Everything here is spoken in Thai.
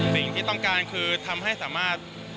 สิ่งที่ต้องการคือทำให้สามารถ